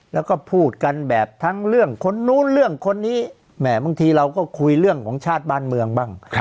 แล้วก็พูดกันแบบทั้งเรื่องคนนู้นเรื่องคนนี้แหมบางทีเราก็คุยเรื่องของชาติบ้านเมืองบ้าง